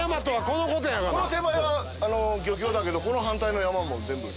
この手前は漁協だけどこの反対の山も全部。